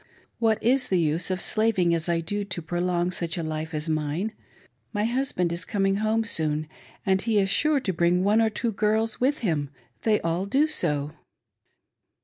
What is the use of slaving as I do to prolong such a life as mine.' My husband is coming home soon, and he is sure to bring one or two girls with him. They all do so."